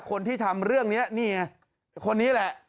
คนที่ทำเรื่องนี้นี่ไงคนนี้แหละ